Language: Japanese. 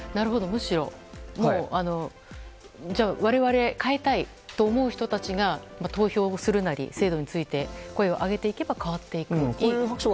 むしろ、我々変えたいと思う人たちが投票をするなり、制度について声を上げていけば変わっていくかもしれないと。